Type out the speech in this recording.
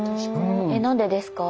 え何でですか？